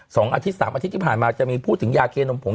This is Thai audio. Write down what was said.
อาทิตยสามอาทิตย์ที่ผ่านมาจะมีพูดถึงยาเคนมผง